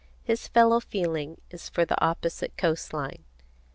His fellow feeling is for the opposite coast line.